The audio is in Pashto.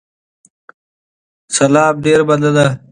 سلام، ډیره مننه